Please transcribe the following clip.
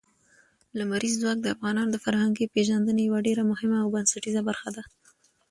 لمریز ځواک د افغانانو د فرهنګي پیژندنې یوه ډېره مهمه او بنسټیزه برخه ده.